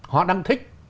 họ đang thích